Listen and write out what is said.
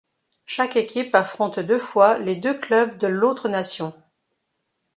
Chaque équipe affronte deux fois les deux clubs de l'autre nation.